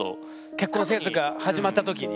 結婚生活が始まった時に？